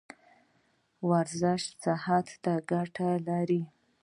ورزش صحت ته ګټه لري